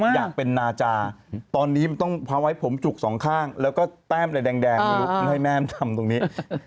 อยากเป็นนาจาตอนนี้มันต้องพาไว้ผมจุกสองข้างแล้วก็แต้มอะไรแดงให้แม่มันทำตรงนี้